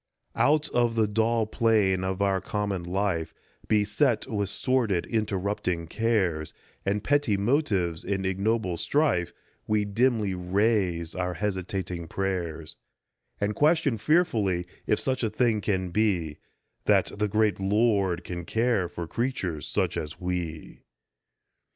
Out of the dull plane of our common life, Beset with sordid, interrupting cares, And petty motives and ignoble strife, We dimly raise our hesitating prayers, And question fearfully if such a thing can be That the great Lord can care for creatures such as we.